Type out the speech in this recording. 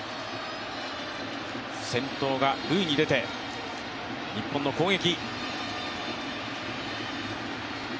先頭が塁に出て、日本の攻撃。